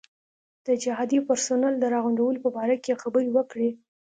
د جهادي پرسونل د راغونډولو په باره کې یې خبرې وکړې.